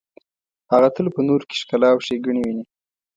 هغه تل په نورو کې ښکلا او ښیګڼې ویني.